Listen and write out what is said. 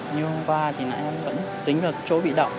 như hôm qua thì em vẫn dính vào chỗ bị động